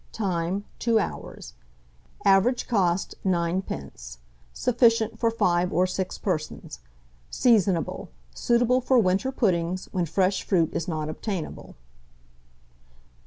Time. 2 hours. Average cost, 9d. Sufficient for 5 or 6 persons. Seasonable. Suitable for winter puddings, when fresh fruit is not obtainable.